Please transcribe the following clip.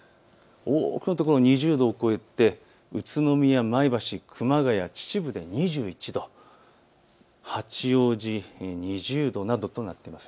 多くの所、２０度を超えて宇都宮、前橋、熊谷、秩父では２１度、八王子２０度などとなっています。